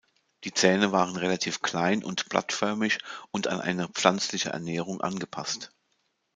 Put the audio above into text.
Die Zähne waren relativ klein und blattförmig und an eine pflanzliche Ernährung angepasst.